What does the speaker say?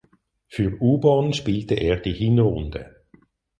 Für Ubon spielte er die Hinrunde.